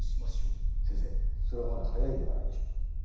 先生それはまだ早いんではないでしょうか？